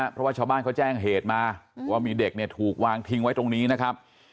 เพราะว่าชาวบ้านเขาแจ้งเหตุมาว่ามีเด็กเนี่ยถูกวางทิ้งไว้ตรงนี้นะครับ